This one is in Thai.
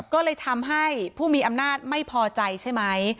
ก็เลยทำให้ผู้มีอำนาจไม่พอใจใช่ไหม